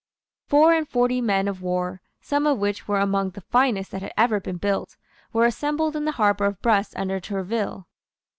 Four and forty men of war, some of which were among the finest that had ever been built, were assembled in the harbour of Brest under Tourville.